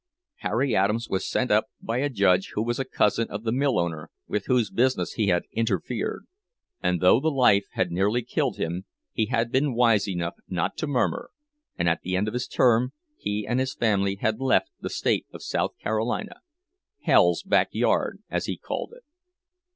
Harry Adams was sent up by a judge who was a cousin of the mill owner with whose business he had interfered; and though the life had nearly killed him, he had been wise enough not to murmur, and at the end of his term he and his family had left the state of South Carolina—hell's back yard, as he called it.